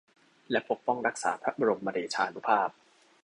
และปกป้องรักษาพระบรมเดชานุภาพ